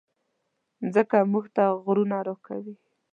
مځکه موږ ته غرونه راکوي.